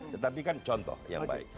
tetapi kan contoh yang baik